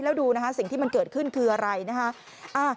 แล้วดูนะคะสิ่งที่มันเกิดขึ้นคืออะไรนะคะ